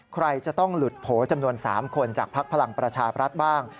ใครจะต้องหลุดโผล่จำนวน๓คนจากภักดิ์พลังประชาบรัฐบ้าง